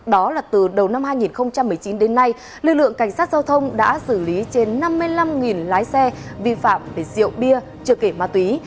đó là từ đầu năm hai nghìn một mươi chín đến nay lực lượng cảnh sát giao thông đã xử lý trên năm mươi năm lái xe vi phạm về rượu bia chưa kể ma túy